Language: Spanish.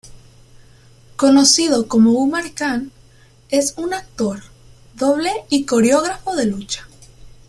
Conocido como Umar Khan, es un actor, doble y coreógrafo de lucha.